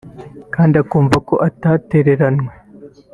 kandi akumva ko atatereranwe